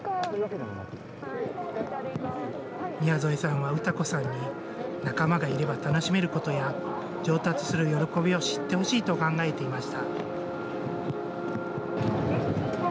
宮副さんは詩子さんに、仲間がいれば楽しめることや、上達する喜びを知ってほしいと考えていました。